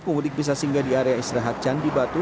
pemudik bisa singgah di area istirahat candi batu